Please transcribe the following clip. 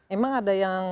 emang ada yang